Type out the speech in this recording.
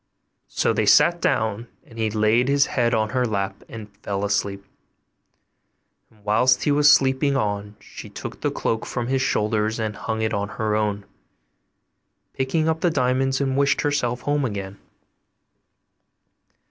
So they sat down, and he laid his head in her lap and fell asleep; and whilst he was sleeping on she took the cloak from his shoulders, hung it on her own, picked up the diamonds, and wished herself home again.